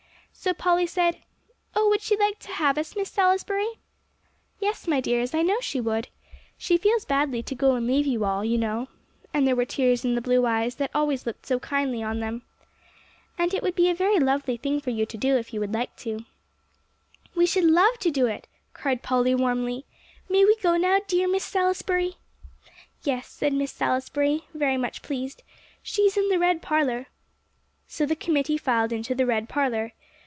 So Polly said, "Oh, would she like to have us, Miss Salisbury?" "Yes, my dears. I know she would. She feels badly to go and leave you all, you know," and there were tears in the blue eyes that always looked so kindly on them. "And it would be a very lovely thing for you to do, if you would like to." "We should love to do it," cried Polly warmly. "May we go now, dear Miss Salisbury?" "Yes," said Miss Salisbury, very much pleased; "she is in the red parlor." So the committee filed into the red parlor.